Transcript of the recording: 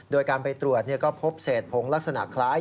โดยการไปตรวจก็พบเศษผงลักษณะคล้าย